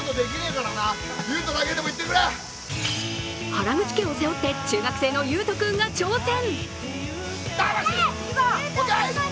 原口家を背負って中学生の勇人君が挑戦。